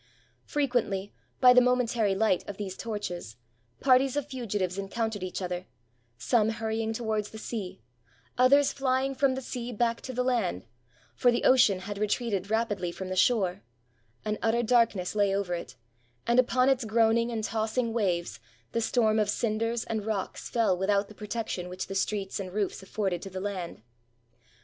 Frequently, by the momentary light of these torches, parties of fugitives encountered each other, some hurry ing towards the sea, others flying from the sea back to the 447 ROME land ; for the ocean had retreated rapidly from the shore — an utter darkness lay over it, and, upon its groaning and tossing waves, the storm of cinders and rocks fell with out the protection which the streets and roofs afforded to the land.